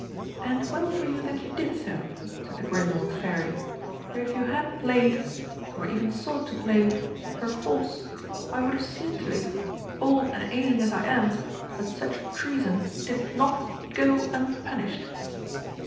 "And well for you that you did so!" said the grim old Fairy, "for if you had played or even sought to play her false, I would have seen to it old and ailing as I am that such treason did not go unpunished!"